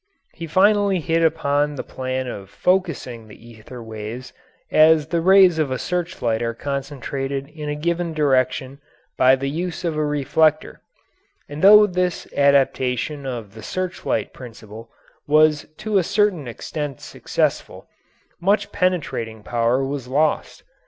He finally hit upon the plan of focussing the ether waves as the rays of a searchlight are concentrated in a given direction by the use of a reflector, and though this adaptation of the searchlight principle was to a certain extent successful, much penetrating power was lost.